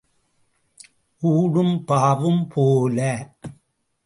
ஊடும் பாவும் போல.